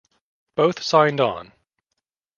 Both signed on.